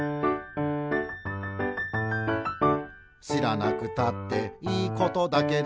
「しらなくたっていいことだけど」